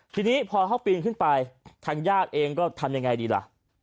ทีนี้พอเขาปีนขึ้นไปทางญาติเองก็ทำยังไงดีล่ะ